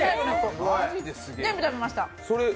全部食べました。